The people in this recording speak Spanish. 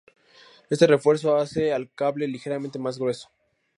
Este refuerzo hace al cable ligeramente más grueso.